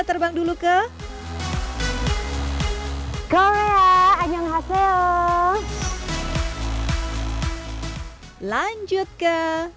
terbang dulu ke korea annyeonghaseyo lanjut ke